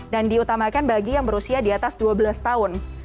diutamakan bagi yang berusia di atas dua belas tahun